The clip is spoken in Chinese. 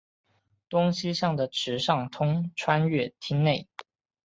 东西向的池上通穿越町内。